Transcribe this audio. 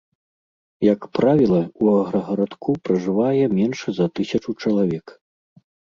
Як правіла, у аграгарадку пражывае менш за тысячу чалавек.